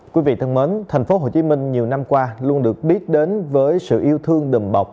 quý vị thân mến thành phố hồ chí minh nhiều năm qua luôn được biết đến với sự yêu thương đùm bọc